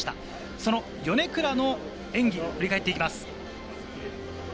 その米倉の演技を振り返っていきます。